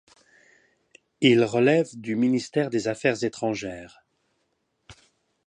Il relève du Ministère des Affaires étrangères.